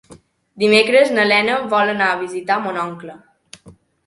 Dimecres na Lena vol anar a visitar mon oncle.